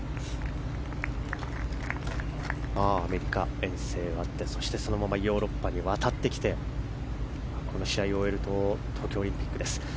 遠征が終わってそのままヨーロッパに回ってきてこの試合を終えると東京オリンピックです。